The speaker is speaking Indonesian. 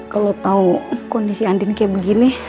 kalau tau kondisi anden kayak begini